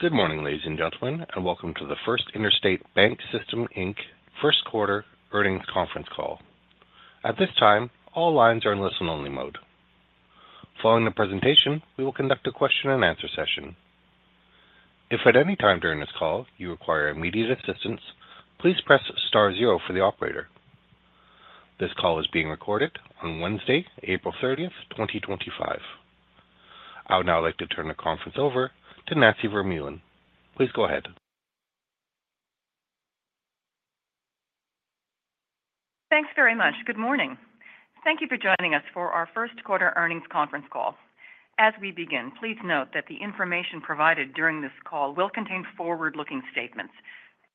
Good morning, ladies and gentlemen, and welcome to the First Interstate BancSystem Q1 Earnings Conference Call. At this time, all lines are in listen-only mode. Following the presentation, we will conduct a question-and-answer session. If at any time during this call you require immediate assistance, please press star zero for the operator. This call is being recorded on Wednesday, 30 April 2025. I would now like to turn the conference over to Nancy Vermeulen. Please go ahead. Thanks very much. Good morning. Thank you for joining us for our Q1 Earnings Conference Call. As we begin, please note that the information provided during this call will contain forward-looking statements.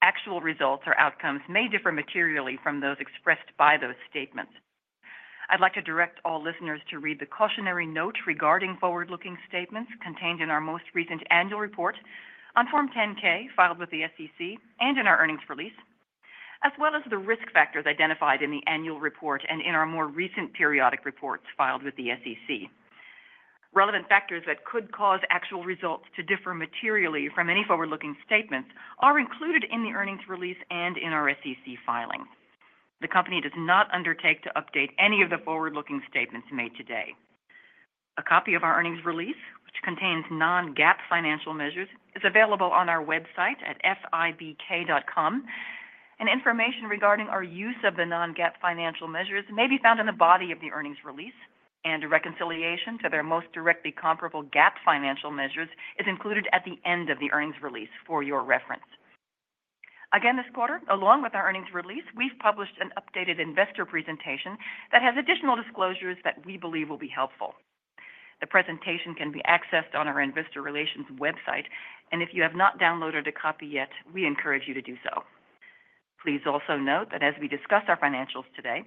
Actual results or outcomes may differ materially from those expressed by those statements. I'd like to direct all listeners to read the cautionary note regarding forward-looking statements contained in our most recent annual report on Form 10-K filed with the SEC and in our earnings release, as well as the risk factors identified in the annual report and in our more recent periodic reports filed with the SEC. Relevant factors that could cause actual results to differ materially from any forward-looking statements are included in the earnings release and in our SEC filing. The company does not undertake to update any of the forward-looking statements made today. A copy of our earnings release, which contains non-GAAP financial measures, is available on our website at fibk.com. Information regarding our use of the non-GAAP financial measures may be found in the body of the earnings release, and a reconciliation to their most directly comparable GAAP financial measures is included at the end of the earnings release for your reference. Again this quarter, along with our earnings release, we've published an updated investor presentation that has additional disclosures that we believe will be helpful. The presentation can be accessed on our investor relations website, and if you have not downloaded a copy yet, we encourage you to do so. Please also note that as we discuss our financials today,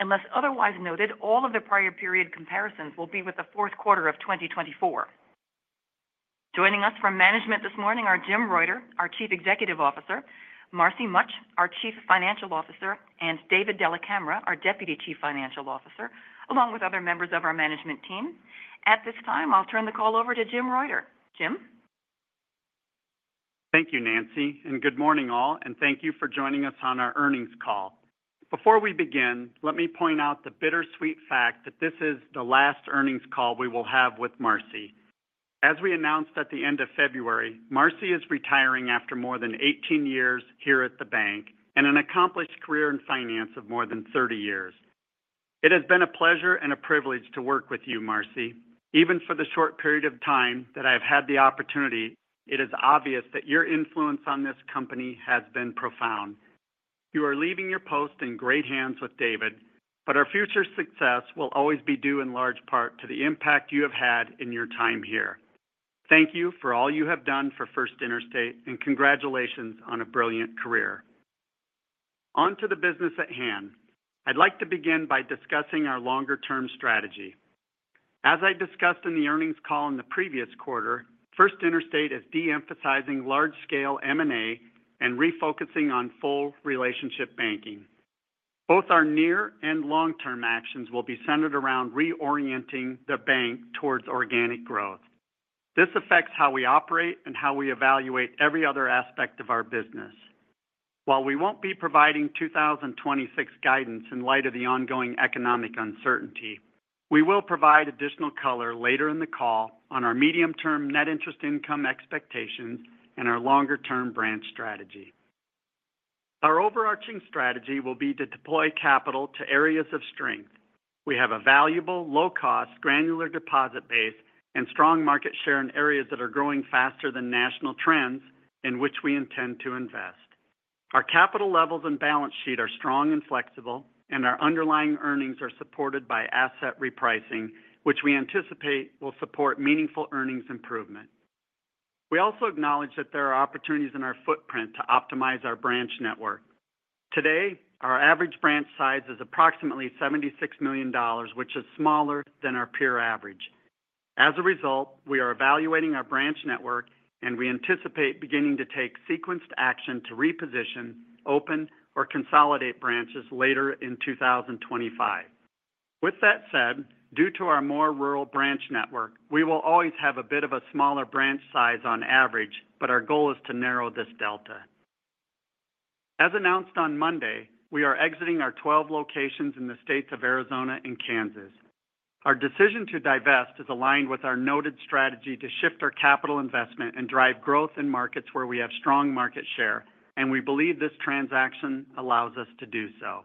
unless otherwise noted, all of the prior period comparisons will be with the Q4 of 2024. Joining us from management this morning are Jim Reuter, our Chief Executive Officer, Marcy Mutch, our Chief Financial Officer, and David Della Camera, our Deputy Chief Financial Officer, along with other members of our management team. At this time, I'll turn the call over to Jim Reuter. Jim? Thank you, Nancy, and good morning all, and thank you for joining us on our earnings call. Before we begin, let me point out the bittersweet fact that this is the last earnings call we will have with Marcy. As we announced at the end of February, Marcy is retiring after more than 18 years here at the bank and an accomplished career in finance of more than 30 years. It has been a pleasure and a privilege to work with you, Marcy. Even for the short period of time that I have had the opportunity, it is obvious that your influence on this company has been profound. You are leaving your post in great hands with David, but our future success will always be due in large part to the impact you have had in your time here. Thank you for all you have done for First Interstate, and congratulations on a brilliant career. On to the business at hand. I'd like to begin by discussing our longer-term strategy. As I discussed in the earnings call in the previous quarter, First Interstate is deemphasizing large-scale M&A and refocusing on full relationship banking. Both our near and long-term actions will be centered around reorienting the bank towards organic growth. This affects how we operate and how we evaluate every other aspect of our business. While we won't be providing 2026 guidance in light of the ongoing economic uncertainty, we will provide additional color later in the call on our medium-term net interest income expectations and our longer-term branch strategy. Our overarching strategy will be to deploy capital to areas of strength. We have a valuable, low-cost, granular deposit base and strong market share in areas that are growing faster than national trends in which we intend to invest. Our capital levels and balance sheet are strong and flexible, and our underlying earnings are supported by asset repricing, which we anticipate will support meaningful earnings improvement. We also acknowledge that there are opportunities in our footprint to optimize our branch network. Today, our average branch size is approximately $76 million, which is smaller than our peer average. As a result, we are evaluating our branch network, and we anticipate beginning to take sequenced action to reposition, open, or consolidate branches later in 2025. With that said, due to our more rural branch network, we will always have a bit of a smaller branch size on average, but our goal is to narrow this delta. As announced on Monday, we are exiting our 12 locations in the states of Arizona and Kansas. Our decision to divest is aligned with our noted strategy to shift our capital investment and drive growth in markets where we have strong market share, and we believe this transaction allows us to do so.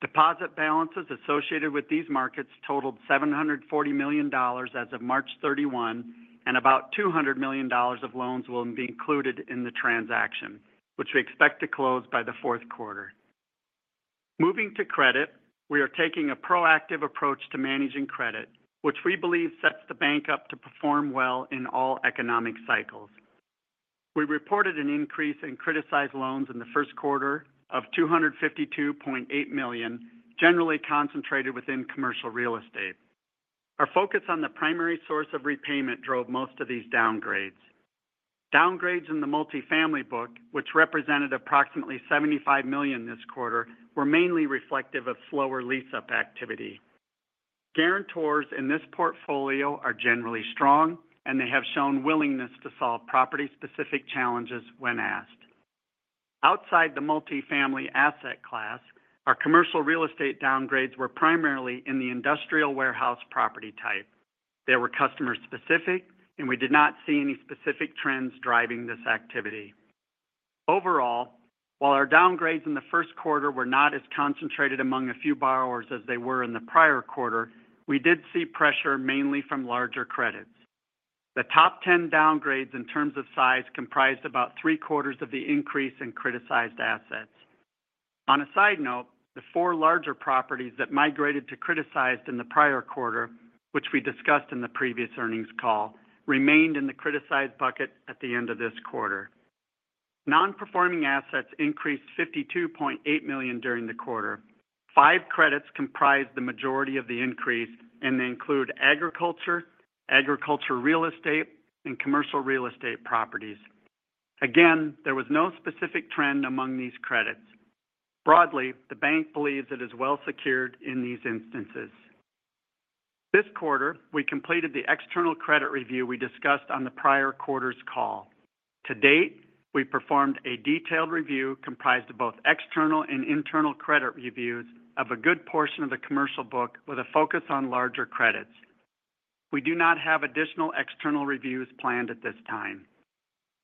Deposit balances associated with these markets totaled $740 million as of 31 March 2025, and about $200 million of loans will be included in the transaction, which we expect to close by the Q4. Moving to credit, we are taking a proactive approach to managing credit, which we believe sets the bank up to perform well in all economic cycles. We reported an increase in criticized loans in the Q1 of $252.8 million, generally concentrated within commercial real estate. Our focus on the primary source of repayment drove most of these downgrades. Downgrades in the multifamily book, which represented approximately $75 million this quarter, were mainly reflective of slower lease-up activity. Guarantors in this portfolio are generally strong, and they have shown willingness to solve property-specific challenges when asked. Outside the multifamily asset class, our commercial real estate downgrades were primarily in the industrial warehouse property type. They were customer-specific, and we did not see any specific trends driving this activity. Overall, while our downgrades in the Q1 were not as concentrated among a few borrowers as they were in the prior quarter, we did see pressure mainly from larger credits. The top 10 downgrades in terms of size comprised about three-quarters of the increase in criticized assets. On a side note, the four larger properties that migrated to criticized in the prior quarter, which we discussed in the previous earnings call, remained in the criticized bucket at the end of this quarter. Non-performing assets increased $52.8 million during the quarter. Five credits comprised the majority of the increase, and they include agriculture, agricultural real estate, and commercial real estate properties. Again, there was no specific trend among these credits. Broadly, the bank believes it is well secured in these instances. This quarter, we completed the external credit review we discussed on the prior quarter's call. To date, we performed a detailed review comprised of both external and internal credit reviews of a good portion of the commercial book, with a focus on larger credits. We do not have additional external reviews planned at this time.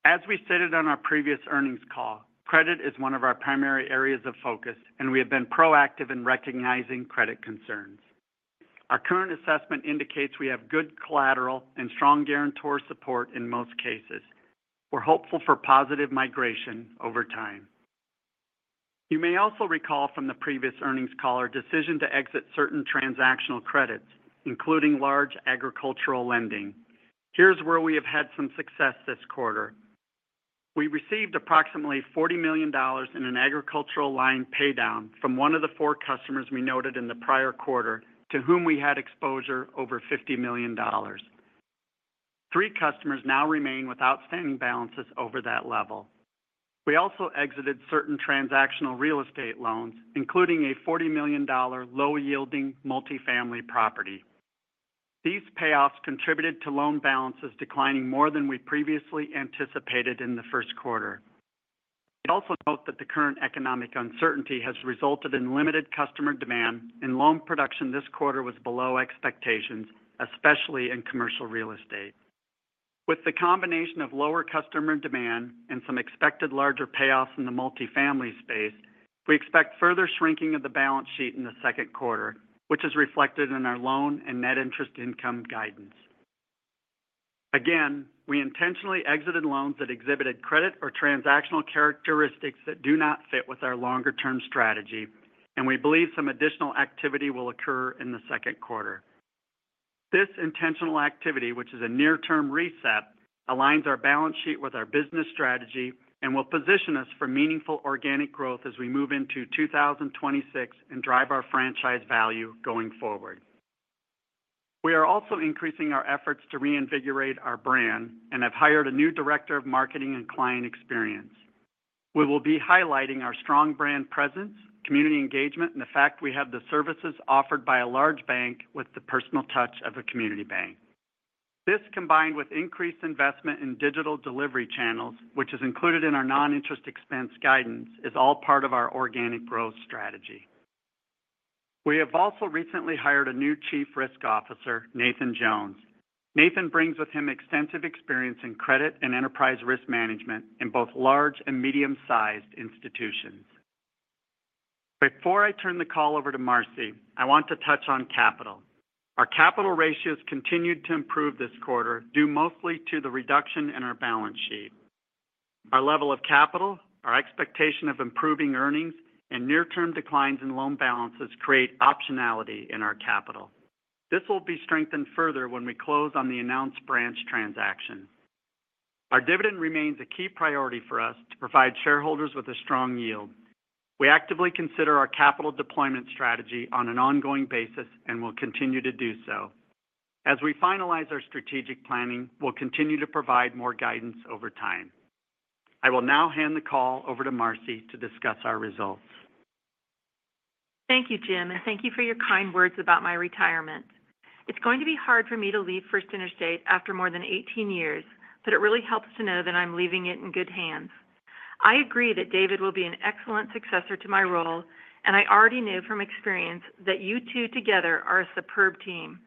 As we stated on our previous earnings call, credit is one of our primary areas of focus, and we have been proactive in recognizing credit concerns. Our current assessment indicates we have good collateral and strong guarantor support in most cases. We're hopeful for positive migration over time. You may also recall from the previous earnings call our decision to exit certain transactional credits, including large agricultural lending. Here's where we have had some success this quarter. We received approximately $40 million in an agricultural line paydown from one of the four customers we noted in the prior quarter, to whom we had exposure over $50 million. Three customers now remain with outstanding balances over that level. We also exited certain transactional real estate loans, including a $40 million low-yielding multifamily property. These payoffs contributed to loan balances declining more than we previously anticipated in the Q1. We also note that the current economic uncertainty has resulted in limited customer demand, and loan production this quarter was below expectations, especially in commercial real estate. With the combination of lower customer demand and some expected larger payoffs in the multifamily space, we expect further shrinking of the balance sheet in the Q2, which is reflected in our loan and net interest income guidance. Again, we intentionally exited loans that exhibited credit or transactional characteristics that do not fit with our longer-term strategy, and we believe some additional activity will occur in the Q2. This intentional activity, which is a near-term reset, aligns our balance sheet with our business strategy and will position us for meaningful organic growth as we move into 2026 and drive our franchise value going forward. We are also increasing our efforts to reinvigorate our brand and have hired a new Director of Marketing and Client Experience. We will be highlighting our strong brand presence, community engagement, and the fact we have the services offered by a large bank with the personal touch of a community bank. This, combined with increased investment in digital delivery channels, which is included in our non-interest expense guidance, is all part of our organic growth strategy. We have also recently hired a new Chief Risk Officer, Nathan Jones. Nathan brings with him extensive experience in credit and enterprise risk management in both large and medium-sized institutions. Before I turn the call over to Marcy, I want to touch on capital. Our capital ratios continued to improve this quarter, due mostly to the reduction in our balance sheet. Our level of capital, our expectation of improving earnings, and near-term declines in loan balances create optionality in our capital. This will be strengthened further when we close on the announced branch transaction. Our dividend remains a key priority for us to provide shareholders with a strong yield. We actively consider our capital deployment strategy on an ongoing basis and will continue to do so. As we finalize our strategic planning, we'll continue to provide more guidance over time. I will now hand the call over to Marcy to discuss our results. Thank you, Jim, and thank you for your kind words about my retirement. It's going to be hard for me to leave First Interstate after more than 18 years, but it really helps to know that I'm leaving it in good hands. I agree that David will be an excellent successor to my role, and I already knew from experience that you two together are a superb team.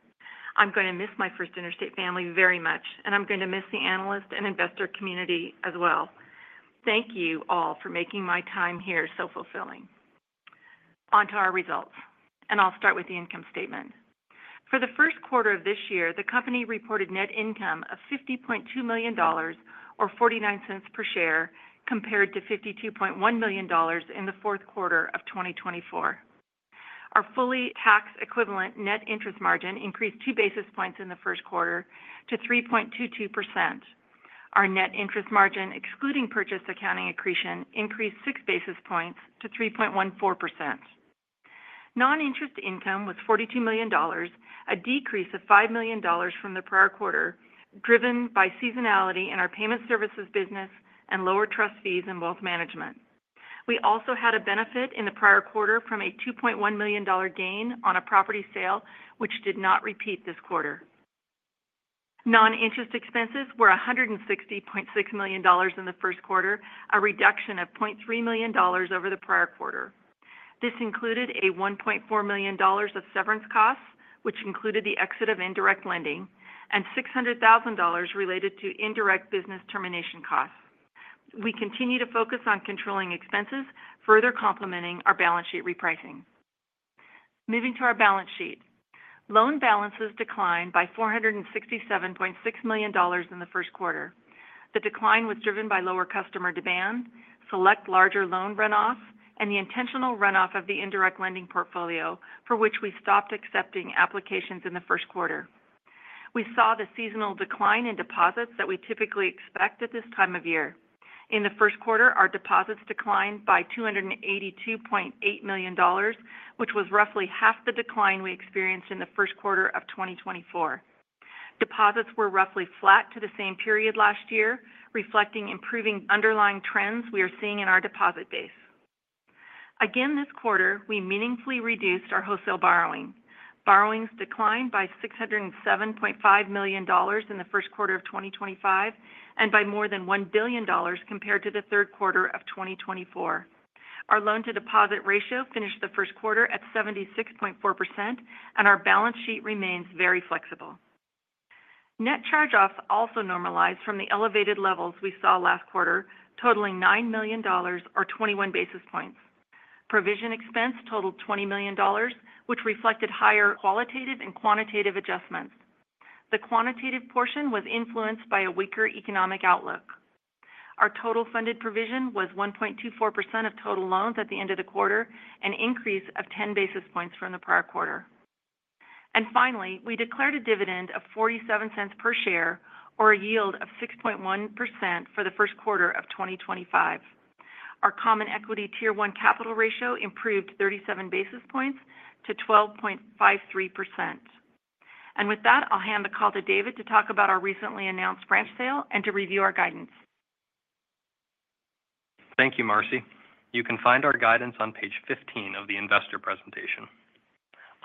I'm going to miss my First Interstate family very much, and I'm going to miss the analyst and investor community as well. Thank you all for making my time here so fulfilling. On to our results, and I'll start with the income statement. For the Q1 of this year, the company reported net income of $50.2 million, or $0.49 per share, compared to $52.1 million in the Q4 of 2024. Our fully tax equivalent net interest margin increased two basis points in the Q1 to 3.22%. Our net interest margin, excluding purchase accounting accretion, increased six basis points to 3.14%. Non-interest income was $42 million, a decrease of $5 million from the prior quarter, driven by seasonality in our payment services business and lower trust fees in wealth management. We also had a benefit in the prior quarter from a $2.1 million gain on a property sale, which did not repeat this quarter. Non-interest expenses were $160.6 million in the Q1, a reduction of $0.3 million over the prior quarter. This included $1.4 million of severance costs, which included the exit of indirect lending, and $600,000 related to indirect business termination costs. We continue to focus on controlling expenses, further complementing our balance sheet repricing. Moving to our balance sheet, loan balances declined by $467.6 million in the Q1. The decline was driven by lower customer demand, select larger loan runoff, and the intentional runoff of the indirect lending portfolio, for which we stopped accepting applications in the Q1. We saw the seasonal decline in deposits that we typically expect at this time of year. In the Q1, our deposits declined by $282.8 million, which was roughly half the decline we experienced in the Q1 of 2024. Deposits were roughly flat to the same period last year, reflecting improving underlying trends we are seeing in our deposit base. Again this quarter, we meaningfully reduced our wholesale borrowing. Borrowings declined by $607.5 million in the Q1 of 2025 and by more than $1 billion compared to the Q3 of 2024. Our loan-to-deposit ratio finished the Q1 at 76.4%, and our balance sheet remains very flexible. Net charge-offs also normalized from the elevated levels we saw last quarter, totaling $9 million, or 21 basis points. Provision expense totaled $20 million, which reflected higher qualitative and quantitative adjustments. The quantitative portion was influenced by a weaker economic outlook. Our total funded provision was 1.24% of total loans at the end of the quarter, an increase of 10 basis points from the prior quarter. Finally, we declared a dividend of $0.47 per share, or a yield of 6.1% for the Q1 of 2025. Our Common Equity Tier 1 capital ratio improved 37 basis points to 12.53%. With that, I'll hand the call to David to talk about our recently announced branch sale and to review our guidance. Thank you, Marcy. You can find our guidance on page 15 of the investor presentation.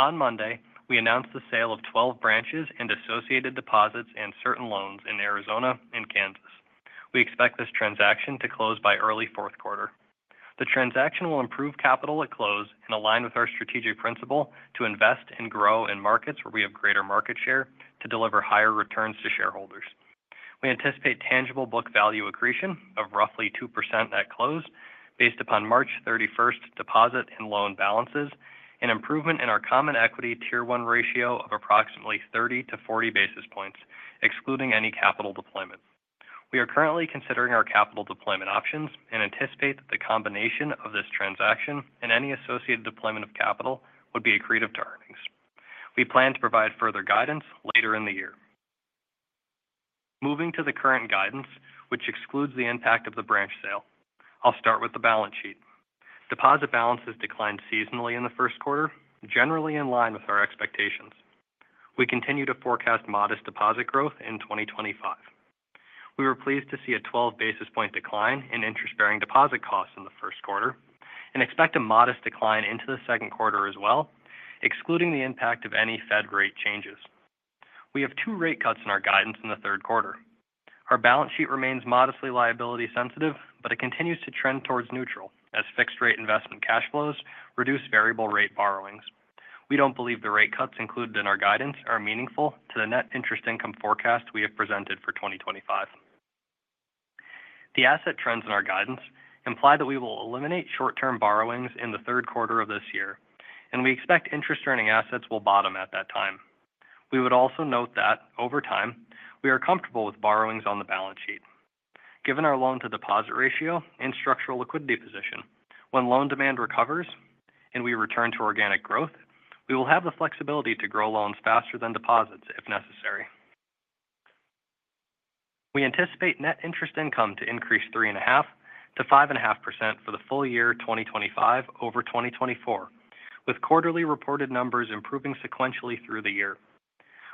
On Monday, we announced the sale of 12 branches and associated deposits and certain loans in Arizona and Kansas. We expect this transaction to close by early Q4. The transaction will improve capital at close and align with our strategic principle to invest and grow in markets where we have greater market share to deliver higher returns to shareholders. We anticipate tangible book value accretion of roughly 2% at close based upon 31 March 2025 deposit and loan balances, an improvement in our Common Equity Tier 1 ratio of approximately 30 to 40 basis points, excluding any capital deployment. We are currently considering our capital deployment options and anticipate that the combination of this transaction and any associated deployment of capital would be accretive to earnings. We plan to provide further guidance later in the year. Moving to the current guidance, which excludes the impact of the branch sale, I'll start with the balance sheet. Deposit balances declined seasonally in the Q1, generally in line with our expectations. We continue to forecast modest deposit growth in 2025. We were pleased to see a 12 basis point decline in interest-bearing deposit costs in the Q1 and expect a modest decline into the Q2 as well, excluding the impact of any Fed rate changes. We have two rate cuts in our guidance in the Q3. Our balance sheet remains modestly liability sensitive, but it continues to trend towards neutral as fixed-rate investment cash flows reduce variable-rate borrowings. We don't believe the rate cuts included in our guidance are meaningful to the net interest income forecast we have presented for 2025. The asset trends in our guidance imply that we will eliminate short-term borrowings in the Q3 of this year, and we expect interest-earning assets will bottom at that time. We would also note that, over time, we are comfortable with borrowings on the balance sheet. Given our loan-to-deposit ratio and structural liquidity position, when loan demand recovers and we return to organic growth, we will have the flexibility to grow loans faster than deposits if necessary. We anticipate net interest income to increase 3.5% to 5.5% for the full year 2025 over 2024, with quarterly reported numbers improving sequentially through the year.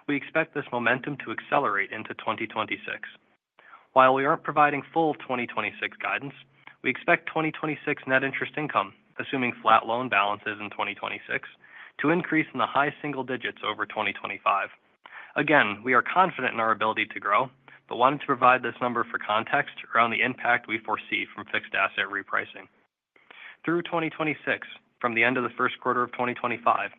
We expect this momentum to accelerate into 2026. While we aren't providing full 2026 guidance, we expect 2026 net interest income, assuming flat loan balances in 2026, to increase in the high single digits over 2025. Again, we are confident in our ability to grow, but wanted to provide this number for context around the impact we foresee from fixed asset repricing. Through 2026, from the end of the Q1 of 2025,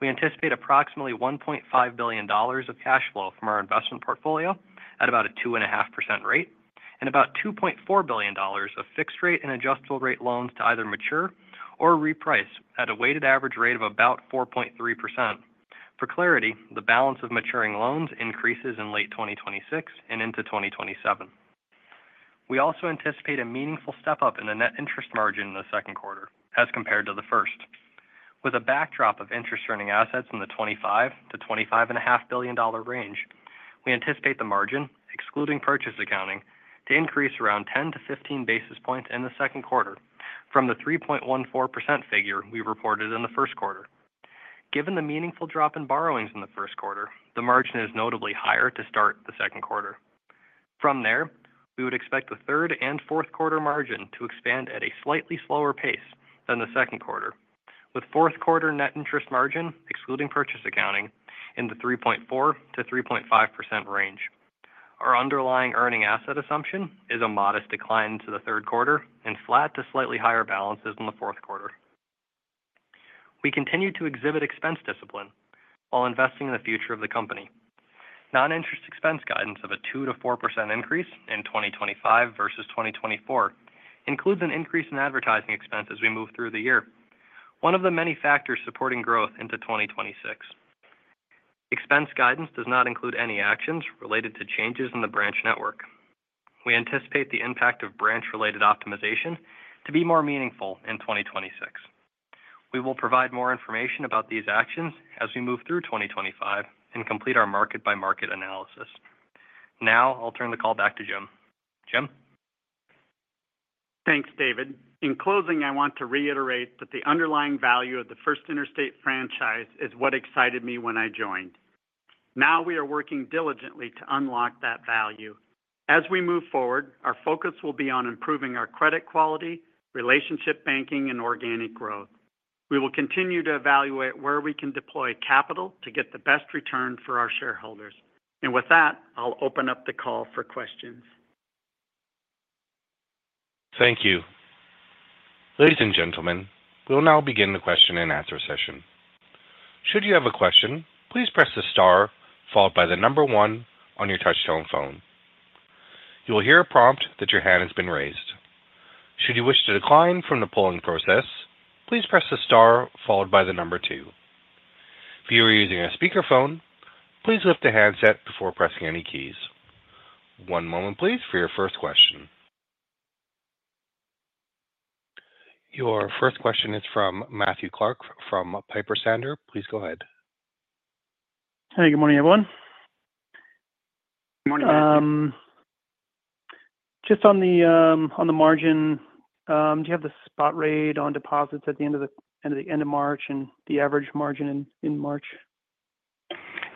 we anticipate approximately $1.5 billion of cash flow from our investment portfolio at about a 2.5% rate and about $2.4 billion of fixed-rate and adjustable-rate loans to either mature or reprice at a weighted average rate of about 4.3%. For clarity, the balance of maturing loans increases in late 2026 and into 2027. We also anticipate a meaningful step-up in the net interest margin in the Q2 as compared to the first. With a backdrop of interest-earning assets in the $25 billion to $25.5 billion range, we anticipate the margin, excluding purchase accounting, to increase around 10 to 15 basis points in the Q2 from the 3.14% figure we reported in the Q1. Given the meaningful drop in borrowings in the Q1, the margin is notably higher to start the Q2. From there, we would expect the third and Q4 margin to expand at a slightly slower pace than the Q2, with Q4 net interest margin, excluding purchase accounting, in the 3.4% to 3.5% range. Our underlying earning asset assumption is a modest decline into the Q3 and flat to slightly higher balances in the Q4. We continue to exhibit expense discipline while investing in the future of the company. Non-interest expense guidance of a 2% to 4% increase in 2025 versus 2024 includes an increase in advertising expenses as we move through the year, one of the many factors supporting growth into 2026. Expense guidance does not include any actions related to changes in the branch network. We anticipate the impact of branch-related optimization to be more meaningful in 2026. We will provide more information about these actions as we move through 2025 and complete our market-by-market analysis. Now, I'll turn the call back to Jim. Jim? Thanks, David. In closing, I want to reiterate that the underlying value of the First Interstate franchise is what excited me when I joined. Now we are working diligently to unlock that value. As we move forward, our focus will be on improving our credit quality, relationship banking, and organic growth. We will continue to evaluate where we can deploy capital to get the best return for our shareholders. With that, I'll open up the call for questions. Thank you. Ladies and gentlemen, we'll now begin the question-and-answer session. Should you have a question, please press the star followed by the number one on your touch-tone phone. You will hear a prompt that your hand has been raised. Should you wish to decline from the polling process, please press the star followed by the number two. If you are using a speakerphone, please lift the handset before pressing any keys. One moment, please, for your first question. Your first question is from Matthew Clark from Piper Sandler. Please go ahead. Hey, good morning, everyone. Good morning, Matthew. Just on the margin, do you have the spot rate on deposits at the end of March and the average margin in March?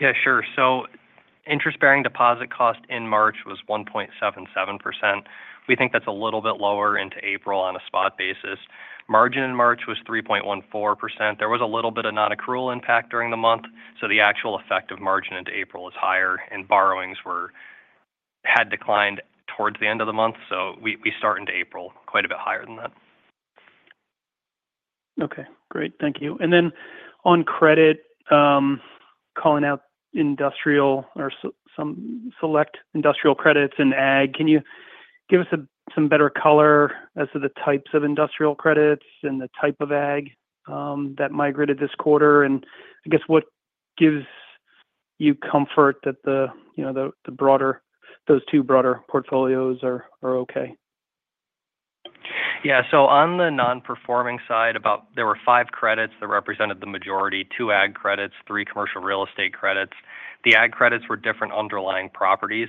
Yeah, sure. Interest-bearing deposit cost in March was 1.77%. We think that's a little bit lower into April on a spot basis. Margin in March was 3.14%. There was a little bit of non-accrual impact during the month, so the actual effective margin into April is higher, and borrowings had declined towards the end of the month, so we start into April quite a bit higher than that. Okay. Great. Thank you. On credit, calling out industrial or some select industrial credits and ag, can you give us some better color as to the types of industrial credits and the type of ag that migrated this quarter? I guess what gives you comfort that the broader, those two broader portfolios are okay? Yeah. On the non-performing side, there were five credits that represented the majority: two ag credits, three commercial real estate credits. The ag credits were different underlying properties,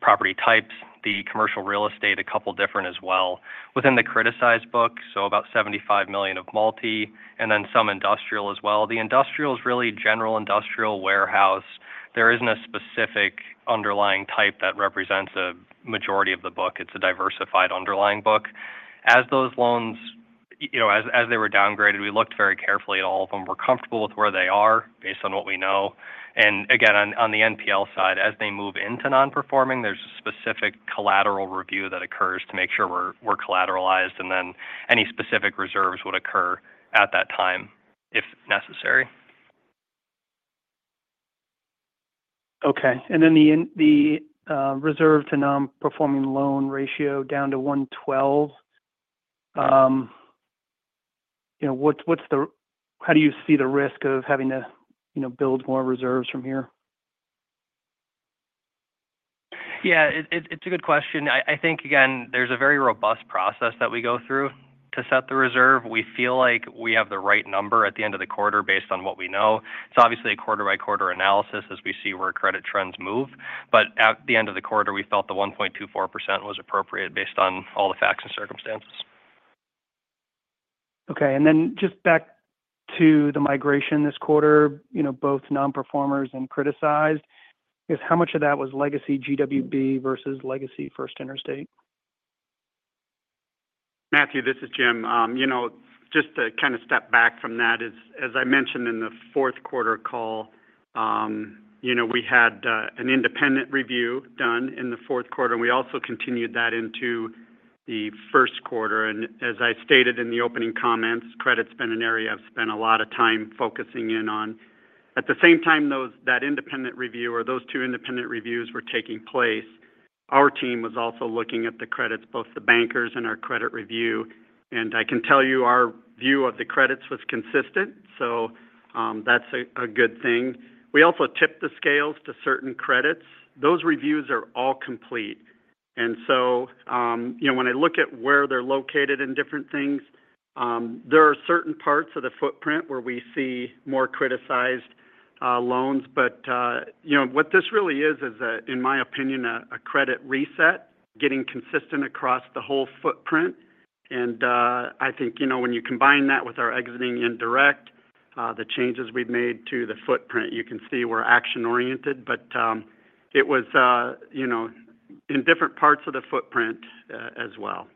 property types. The commercial real estate, a couple different as well. Within the criticized book, about $75 million of multi, and then some industrial as well. The industrial is really general industrial warehouse. There is not a specific underlying type that represents a majority of the book. It is a diversified underlying book. As those loans, as they were downgraded, we looked very carefully at all of them. We are comfortable with where they are based on what we know. Again, on the NPL side, as they move into non-performing, there is a specific collateral review that occurs to make sure we are collateralized, and then any specific reserves would occur at that time if necessary. Okay. The reserve to non-performing loan ratio down to 112, how do you see the risk of having to build more reserves from here? Yeah. It's a good question. I think, again, there's a very robust process that we go through to set the reserve. We feel like we have the right number at the end of the quarter based on what we know. It's obviously a quarter-by-quarter analysis as we see where credit trends move. At the end of the quarter, we felt the 1.24% was appropriate based on all the facts and circumstances. Okay. Just back to the migration this quarter, both non-performers and criticized, I guess how much of that was legacy GWB versus legacy First Interstate? Matthew, this is Jim. Just to kind of step back from that, as I mentioned in the Q4 call, we had an independent review done in the Q4, and we also continued that into the Q1. As I stated in the opening comments, credit's been an area I've spent a lot of time focusing in on. At the same time, that independent review, or those two independent reviews were taking place. Our team was also looking at the credits, both the bankers and our credit review. I can tell you our view of the credits was consistent, so that's a good thing. We also tipped the scales to certain credits. Those reviews are all complete. When I look at where they're located in different things, there are certain parts of the footprint where we see more criticized loans. What this really is, is, in my opinion, a credit reset, getting consistent across the whole footprint. I think when you combine that with our exiting indirect, the changes we've made to the footprint, you can see we're action-oriented, but it was in different parts of the footprint as well.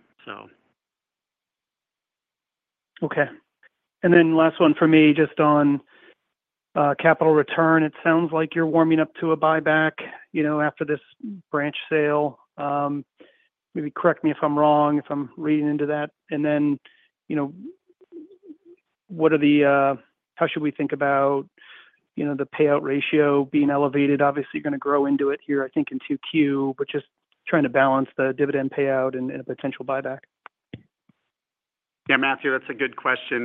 Okay. And then last one for me, just on capital return. It sounds like you're warming up to a buyback after this branch sale. Maybe correct me if I'm wrong if I'm reading into that. What are the how should we think about the payout ratio being elevated? Obviously, you're going to grow into it here, I think, in Q2, but just trying to balance the dividend payout and a potential buyback. Yeah, Matthew, that's a good question.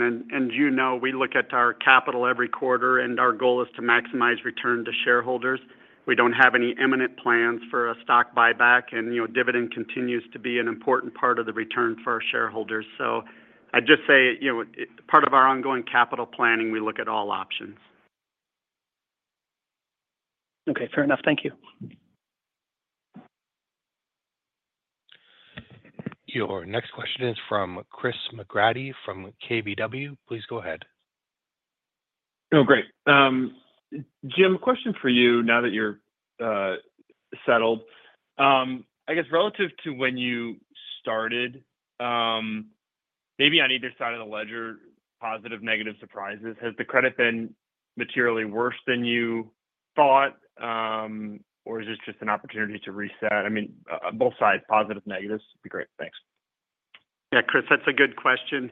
We look at our capital every quarter, and our goal is to maximize return to shareholders. We don't have any imminent plans for a stock buyback, and dividend continues to be an important part of the return for our shareholders. I'd just say part of our ongoing capital planning, we look at all options. Okay. Fair enough. Thank you. Your next question is from Chris McGratty from KBW. Please go ahead. Oh, great. Jim, question for you now that you're settled. I guess relative to when you started, maybe on either side of the ledger, positive, negative surprises. Has the credit been materially worse than you thought, or is this just an opportunity to reset? I mean, both sides, positive, negatives would be great. Thanks. Yeah, Chris, that's a good question.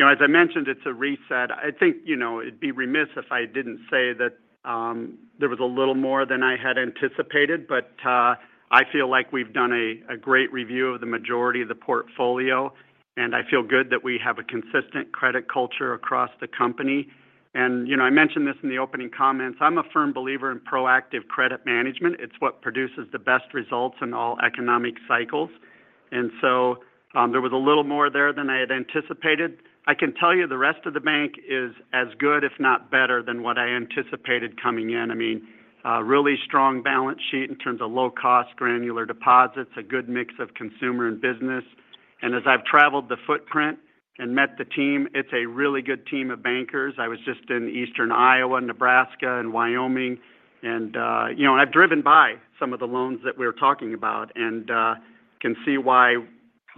As I mentioned, it's a reset. I think I'd be remiss if I didn't say that there was a little more than I had anticipated, but I feel like we've done a great review of the majority of the portfolio, and I feel good that we have a consistent credit culture across the company. I mentioned this in the opening comments. I'm a firm believer in proactive credit management. It's what produces the best results in all economic cycles. There was a little more there than I had anticipated. I can tell you the rest of the bank is as good, if not better, than what I anticipated coming in. I mean, really strong balance sheet in terms of low-cost granular deposits, a good mix of consumer and business. As I've traveled the footprint and met the team, it's a really good team of bankers. I was just in Eastern Iowa, Nebraska, and Wyoming, and I've driven by some of the loans that we were talking about and can see why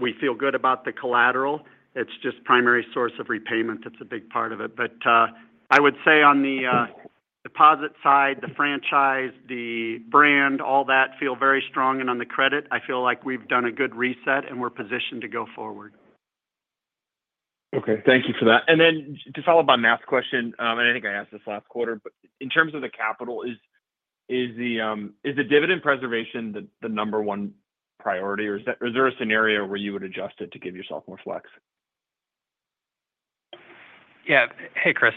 we feel good about the collateral. It's just primary source of repayment. It's a big part of it. I would say on the deposit side, the franchise, the brand, all that feel very strong. On the credit, I feel like we've done a good reset, and we're positioned to go forward. Okay. Thank you for that. To follow up on that question, and I think I asked this last quarter, but in terms of the capital, is the dividend preservation the number one priority, or is there a scenario where you would adjust it to give yourself more flex? Yeah. Hey, Chris.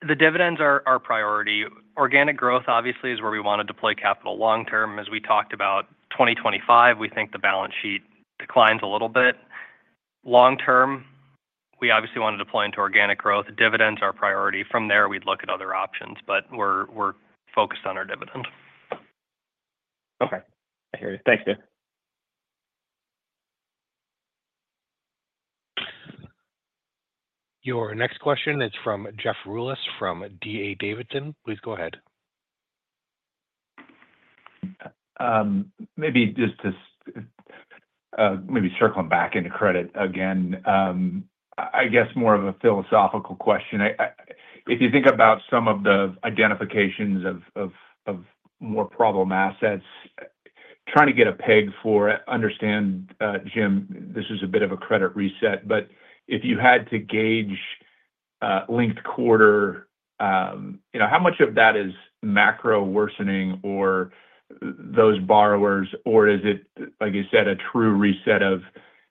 The dividends are our priority. Organic growth, obviously, is where we want to deploy capital long-term. As we talked about, 2025, we think the balance sheet declines a little bit. Long-term, we obviously want to deploy into organic growth. Dividends are our priority. From there, we'd look at other options, but we're focused on our dividend. Okay. I hear you. Thanks, Dave. Your next question is from Jeff Rulis from D.A. Davidson. Please go ahead. Maybe just to maybe circling back into credit again, I guess more of a philosophical question. If you think about some of the identifications of more problem assets, trying to get a peg for it, understand, Jim, this is a bit of a credit reset, but if you had to gauge linked quarter, how much of that is macro worsening or those borrowers, or is it, like you said, a true reset of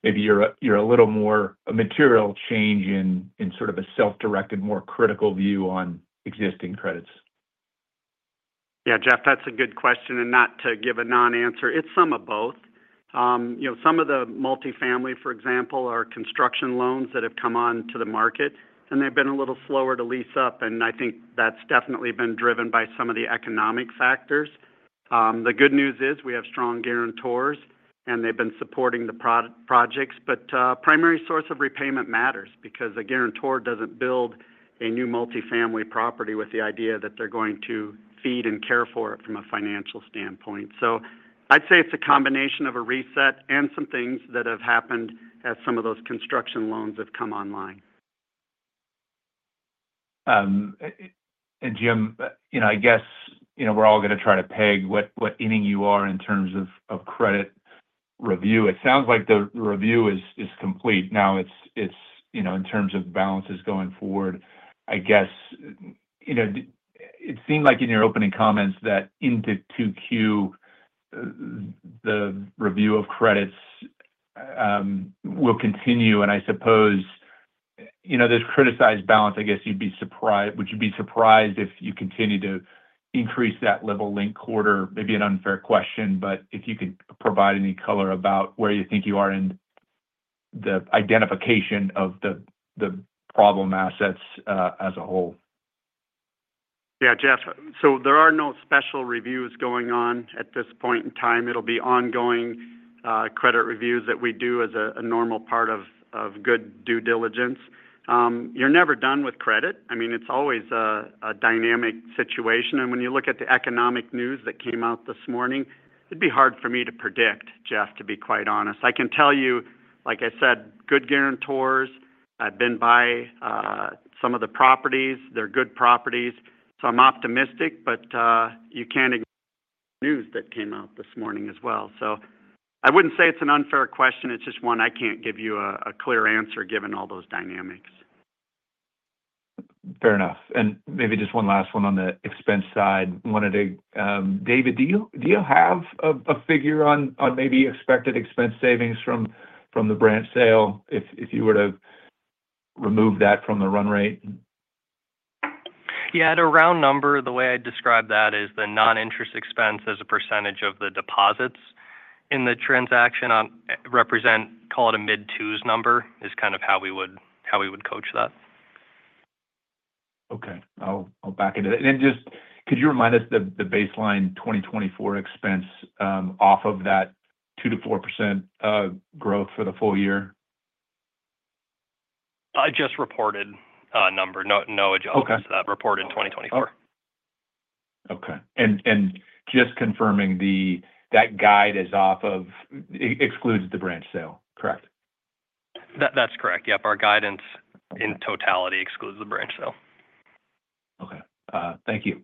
maybe you're a little more a material change in sort of a self-directed, more critical view on existing credits? Yeah, Jeff, that's a good question. Not to give a non-answer, it's some of both. Some of the multifamily, for example, are construction loans that have come on to the market, and they've been a little slower to lease up. I think that's definitely been driven by some of the economic factors. The good news is we have strong guarantors, and they've been supporting the projects. Primary source of repayment matters because a guarantor doesn't build a new multifamily property with the idea that they're going to feed and care for it from a financial standpoint. I'd say it's a combination of a reset and some things that have happened as some of those construction loans have come online. Jim, I guess we're all going to try to peg what inning you are in terms of credit review. It sounds like the review is complete now in terms of balances going forward. I guess it seemed like in your opening comments that into Q2, the review of credits will continue. I suppose there's criticized balance. I guess you'd be surprised—would you be surprised if you continue to increase that level linked quarter? Maybe an unfair question, but if you could provide any color about where you think you are in the identification of the problem assets as a whole. Yeah, Jeff. There are no special reviews going on at this point in time. It'll be ongoing credit reviews that we do as a normal part of good due diligence. You're never done with credit. I mean, it's always a dynamic situation. When you look at the economic news that came out this morning, it'd be hard for me to predict, Jeff, to be quite honest. I can tell you, like I said, good guarantors. I've been by some of the properties. They're good properties. I'm optimistic, but you can't ignore the news that came out this morning as well. I wouldn't say it's an unfair question. It's just one I can't give you a clear answer given all those dynamics. Fair enough. Maybe just one last one on the expense side. David, do you have a figure on maybe expected expense savings from the branch sale if you were to remove that from the run rate? Yeah. At a round number, the way I'd describe that is the non-interest expense as a percentage of the deposits in the transaction represent, call it a mid-2s number is kind of how we would coach that. Okay. I'll back into that. Could you remind us of the baseline 2024 expense off of that 2% to 4% growth for the full year? Just reported number. No adjustments to that report in 2024. Okay. Just confirming, that guide is off of excludes the branch sale, correct? That's correct. Yep. Our guidance in totality excludes the branch sale. Okay. Thank you.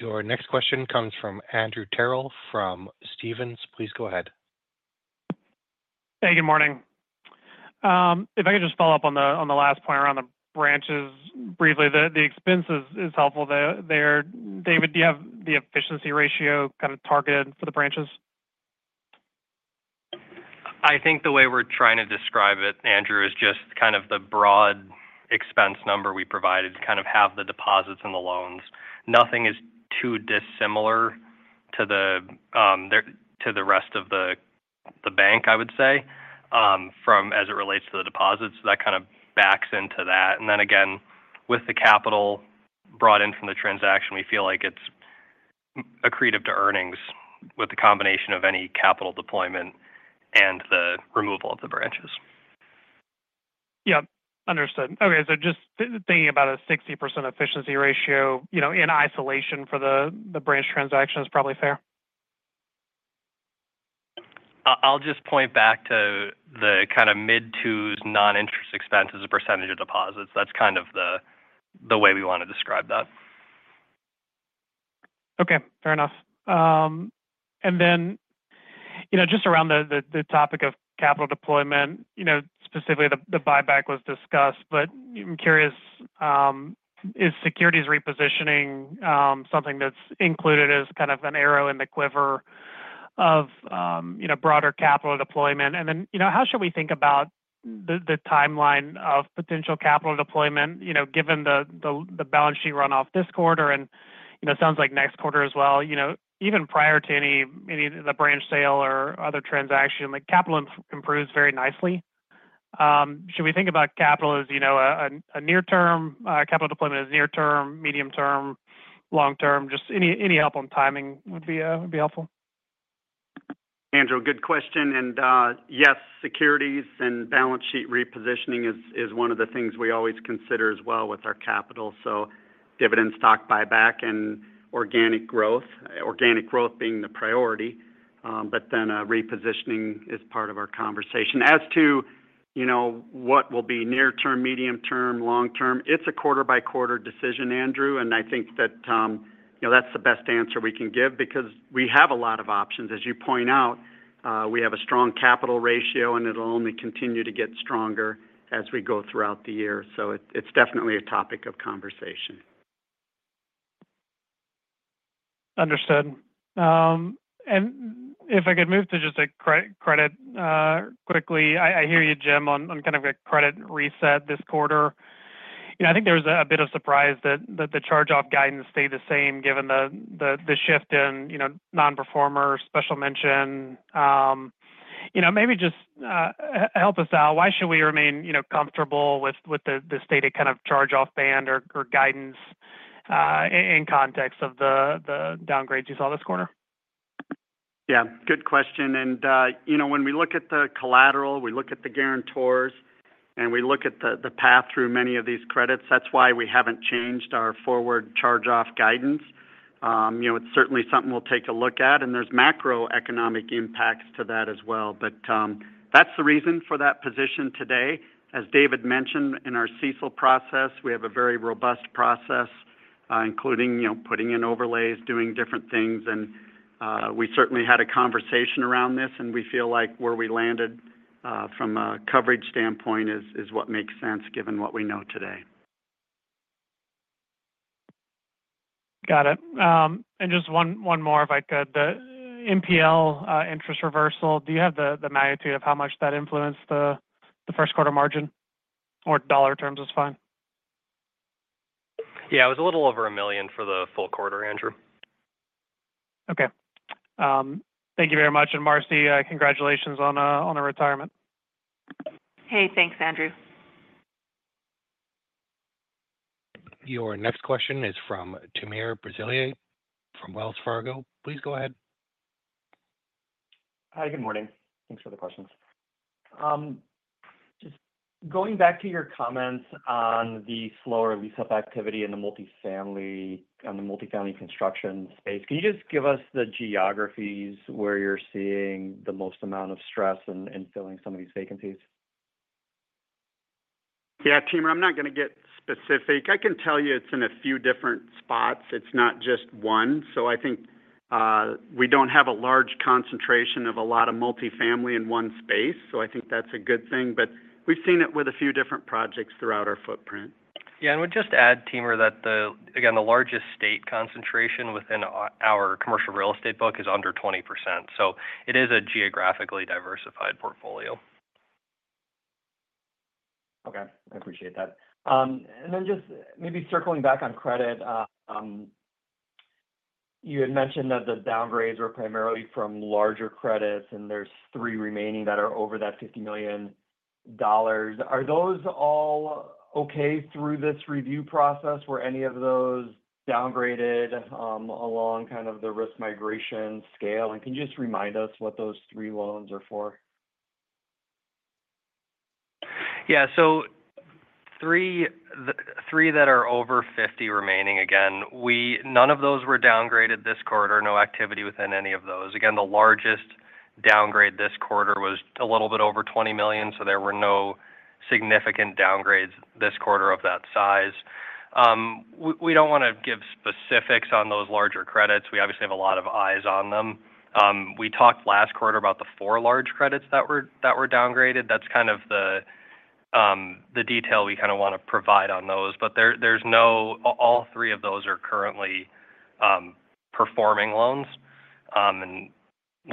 Your next question comes from Andrew Terrell from Stephens. Please go ahead. Hey, good morning. If I could just follow up on the last point around the branches briefly, the expense is helpful there. David, do you have the efficiency ratio kind of targeted for the branches? I think the way we're trying to describe it, Andrew, is just kind of the broad expense number we provided to kind of have the deposits and the loans. Nothing is too dissimilar to the rest of the bank, I would say, as it relates to the deposits. That kind of backs into that. Then again, with the capital brought in from the transaction, we feel like it's accretive to earnings with the combination of any capital deployment and the removal of the branches. Yep. Understood. Okay. Just thinking about a 60% efficiency ratio in isolation for the branch transaction is probably fair. I'll just point back to the kind of mid-2s non-interest expense as a percentage of deposits. That's kind of the way we want to describe that. Okay. Fair enough. Just around the topic of capital deployment, specifically the buyback was discussed, but I'm curious, is securities repositioning something that's included as kind of an arrow in the quiver of broader capital deployment? How should we think about the timeline of potential capital deployment given the balance sheet run-off this quarter? It sounds like next quarter as well. Even prior to any of the branch sale or other transaction, capital improves very nicely. Should we think about capital deployment as near-term, medium-term, or long-term? Any help on timing would be helpful. Andrew, good question. Yes, securities and balance sheet repositioning is one of the things we always consider as well with our capital. Dividend, stock buyback, and organic growth, organic growth being the priority. Repositioning is part of our conversation. As to what will be near-term, medium-term, long-term, it is a quarter-by-quarter decision, Andrew. I think that is the best answer we can give because we have a lot of options. As you point out, we have a strong capital ratio, and it will only continue to get stronger as we go throughout the year. It is definitely a topic of conversation. Understood. If I could move to just a credit quickly, I hear you, Jim, on kind of a credit reset this quarter. I think there was a bit of surprise that the charge-off guidance stayed the same given the shift in non-performer, special mention. Maybe just help us out. Why should we remain comfortable with the stated kind of charge-off band or guidance in context of the downgrades you saw this quarter? Yeah. Good question. When we look at the collateral, we look at the guarantors, and we look at the path through many of these credits. That's why we haven't changed our forward charge-off guidance. It's certainly something we'll take a look at. There are macroeconomic impacts to that as well. That's the reason for that position today. As David mentioned, in our CECL process, we have a very robust process, including putting in overlays, doing different things. We certainly had a conversation around this, and we feel like where we landed from a coverage standpoint is what makes sense given what we know today. Got it. Just one more, if I could. The NPL interest reversal, do you have the magnitude of how much that influenced the Q1 margin? Or dollar terms is fine? Yeah. It was a little over $1 million for the full quarter, Andrew. Okay. Thank you very much. And Marcy, congratulations on a retirement. Hey, thanks, Andrew. Your next question is from Timur Braziler from Wells Fargo. Please go ahead. Hi, good morning. Thanks for the questions. Just going back to your comments on the slower lease-up activity in the multifamily construction space, can you just give us the geographies where you're seeing the most amount of stress in filling some of these vacancies? Yeah, Timur, I'm not going to get specific. I can tell you it's in a few different spots. It's not just one. I think we don't have a large concentration of a lot of multifamily in one space. I think that's a good thing. We've seen it with a few different projects throughout our footprint. Yeah. We'll just add, Timur, that, again, the largest state concentration within our commercial real estate book is under 20%. It is a geographically diversified portfolio. Okay. I appreciate that. Maybe circling back on credit, you had mentioned that the downgrades were primarily from larger credits, and there are three remaining that are over that $50 million. Are those all okay through this review process? Were any of those downgraded along kind of the risk migration scale? Can you just remind us what those three loans are for? Yeah. Three that are over 50 remaining. Again, none of those were downgraded this quarter. No activity within any of those. Again, the largest downgrade this quarter was a little bit over $20 million. There were no significant downgrades this quarter of that size. We do not want to give specifics on those larger credits. We obviously have a lot of eyes on them. We talked last quarter about the four large credits that were downgraded. That is kind of the detail we want to provide on those. All three of those are currently performing loans. We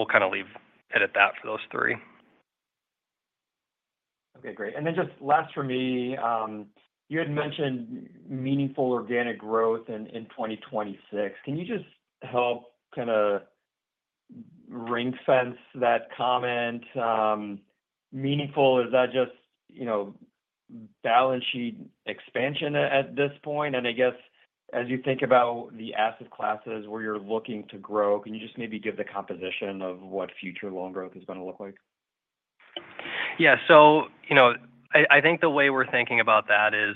will leave it at that for those three. Okay. Great. Then just last for me, you had mentioned meaningful organic growth in 2026. Can you just help kind of ring-fence that comment? Meaningful, is that just balance sheet expansion at this point? I guess as you think about the asset classes where you're looking to grow, can you just maybe give the composition of what future loan growth is going to look like? Yeah. I think the way we're thinking about that is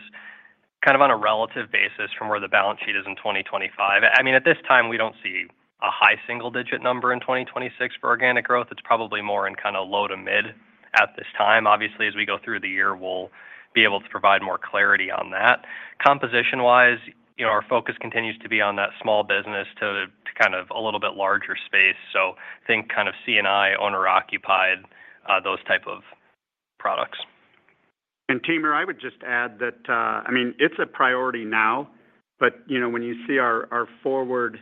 kind of on a relative basis from where the balance sheet is in 2025. I mean, at this time, we don't see a high single-digit number in 2026 for organic growth. It's probably more in kind of low to mid at this time. Obviously, as we go through the year, we'll be able to provide more clarity on that. Composition-wise, our focus continues to be on that small business to kind of a little bit larger space. I think kind of C&I, owner-occupied, those type of products. Timur, I would just add that, I mean, it's a priority now. When you see our forward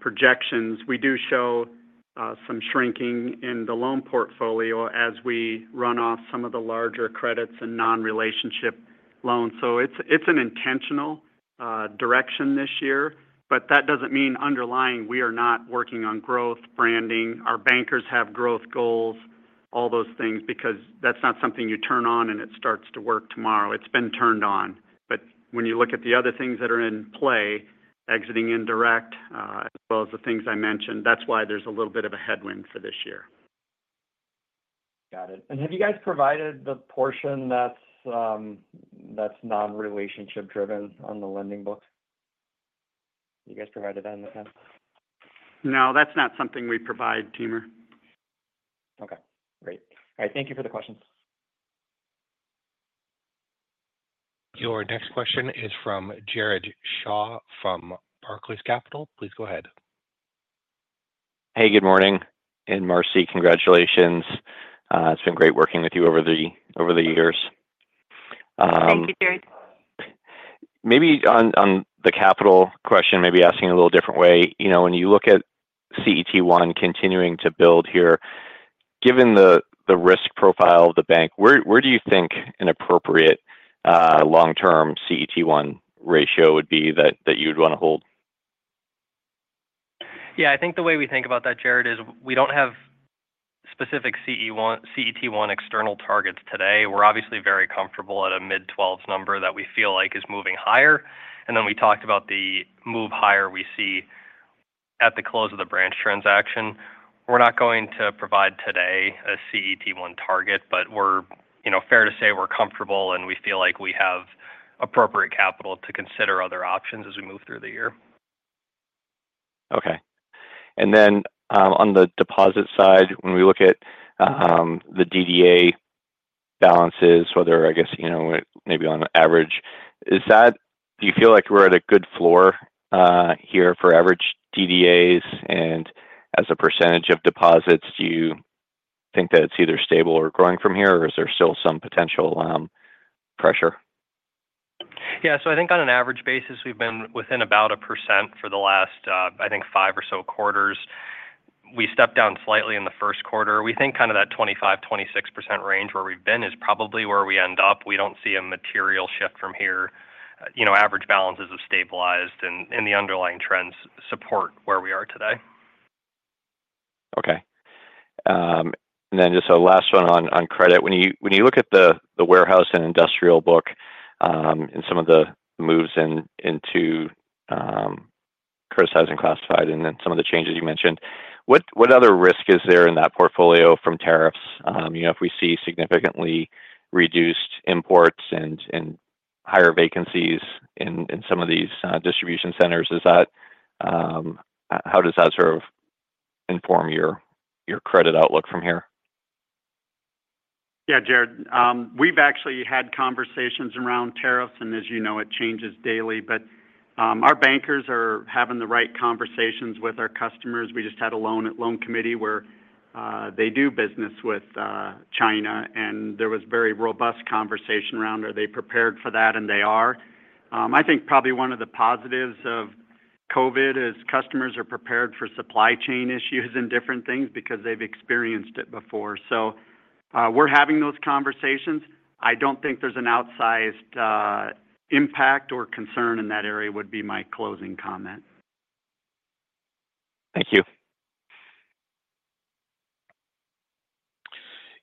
projections, we do show some shrinking in the loan portfolio as we run off some of the larger credits and non-relationship loans. It is an intentional direction this year. That does not mean underlying we are not working on growth, branding. Our bankers have growth goals, all those things, because that's not something you turn on and it starts to work tomorrow. It's been turned on. When you look at the other things that are in play, exiting indirect, as well as the things I mentioned, that's why there's a little bit of a headwind for this year. Got it. Have you guys provided the portion that's non-relationship-driven on the lending book? You guys provided that in the past? No, that's not something we provide, Timur. Okay. Great. All right. Thank you for the questions. Your next question is from Jared Shaw from Barclays Capital. Please go ahead. Hey, good morning. And Marcy, congratulations. It's been great working with you over the years. Thank you, Jared. Maybe on the capital question, maybe asking a little different way. When you look at CET1 continuing to build here, given the risk profile of the bank, where do you think an appropriate long-term CET1 ratio would be that you'd want to hold? Yeah. I think the way we think about that, Jared, is we do not have specific CET1 external targets today. We are obviously very comfortable at a mid-12s number that we feel like is moving higher. We talked about the move higher we see at the close of the branch transaction. We are not going to provide today a CET1 target, but fair to say we are comfortable and we feel like we have appropriate capital to consider other options as we move through the year. Okay. On the deposit side, when we look at the DDA balances, whether, I guess, maybe on average, do you feel like we're at a good floor here for average DDAs? As a percentage of deposits, do you think that it's either stable or growing from here, or is there still some potential pressure? Yeah. I think on an average basis, we've been within about a percent for the last, I think, five or so quarters. We stepped down slightly in the Q1. We think kind of that 25% to 26% range where we've been is probably where we end up. We do not see a material shift from here. Average balances have stabilized, and the underlying trends support where we are today. Okay. Just a last one on credit. When you look at the warehouse and industrial book and some of the moves into criticized and classified and then some of the changes you mentioned, what other risk is there in that portfolio from tariffs? If we see significantly reduced imports and higher vacancies in some of these distribution centers, how does that sort of inform your credit outlook from here? Yeah, Jared. We've actually had conversations around tariffs, and as you know, it changes daily. Our bankers are having the right conversations with our customers. We just had a loan committee where they do business with China, and there was a very robust conversation around, are they prepared for that? They are. I think probably one of the positives of COVID is customers are prepared for supply chain issues and different things because they've experienced it before. We are having those conversations. I do not think there's an outsized impact or concern in that area would be my closing comment. Thank you.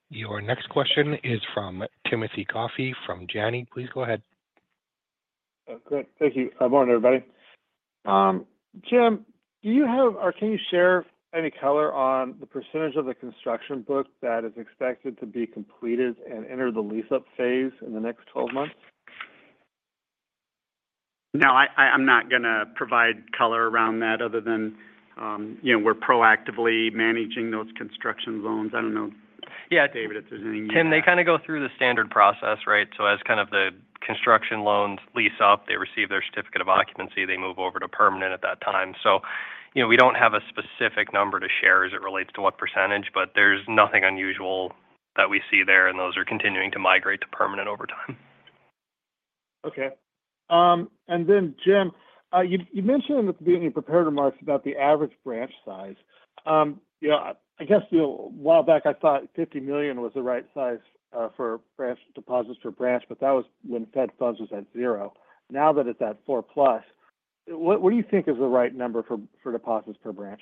Your next question is from Timothy Coffey from Janney. Please go ahead. Great. Thank you. Good morning, everybody. Jim, do you have or can you share any color on the percentage of the construction book that is expected to be completed and enter the lease-up phase in the next 12 months? No, I'm not going to provide color around that other than we're proactively managing those construction loans. I don't know, David, if there's anything you want to. They kind of go through the standard process, right? As kind of the construction loans lease up, they receive their certificate of occupancy. They move over to permanent at that time. We do not have a specific number to share as it relates to what percentage, but there is nothing unusual that we see there, and those are continuing to migrate to permanent over time. Okay. Jim, you mentioned at the beginning you prepared remarks about the average branch size. I guess a while back, I thought $50 million was the right size for branch deposits per branch, but that was when Fed funds was at zero. Now that it is at 4 plus, what do you think is the right number for deposits per branch?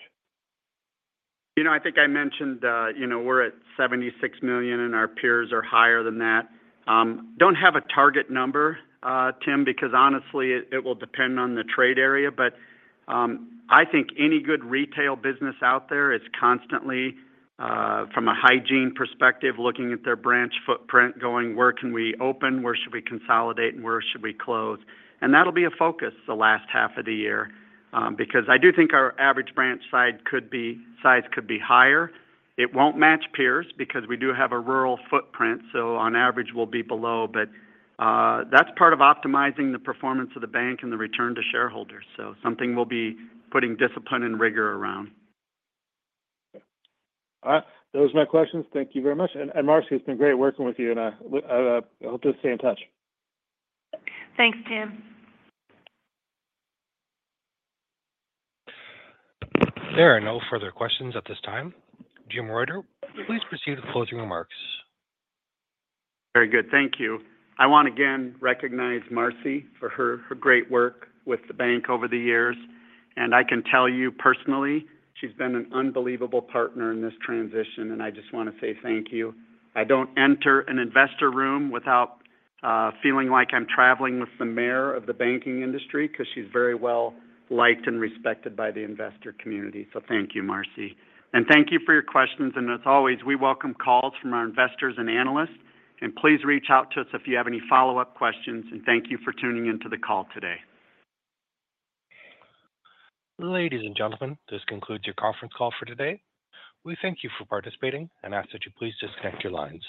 I think I mentioned we're at $76 million, and our peers are higher than that. I don't have a target number, Tim, because honestly, it will depend on the trade area. I think any good retail business out there is constantly, from a hygiene perspective, looking at their branch footprint, going, where can we open, where should we consolidate, and where should we close? That will be a focus the last half of the year because I do think our average branch size could be higher. It won't match peers because we do have a rural footprint. On average, we'll be below. That is part of optimizing the performance of the bank and the return to shareholders. It is something we'll be putting discipline and rigor around. All right. Those are my questions. Thank you very much. And Marcy, it's been great working with you. And I hope to stay in touch. Thanks, Tim. There are no further questions at this time. Jim Reuter, please proceed with closing remarks. Very good. Thank you. I want to, again, recognize Marcy for her great work with the bank over the years. I can tell you personally, she's been an unbelievable partner in this transition, and I just want to say thank you. I don't enter an investor room without feeling like I'm traveling with the mayor of the banking industry because she's very well-liked and respected by the investor community. Thank you, Marcy. Thank you for your questions. As always, we welcome calls from our investors and analysts. Please reach out to us if you have any follow-up questions. Thank you for tuning into the call today. Ladies and gentlemen, this concludes your conference call for today. We thank you for participating and ask that you please disconnect your lines.